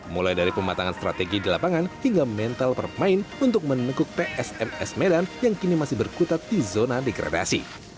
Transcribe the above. mulai dari pematangan strategi di lapangan hingga mental permain untuk menengkuk psms medan yang kini masih berkutat di zona degradasi